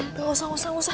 gak usah gak usah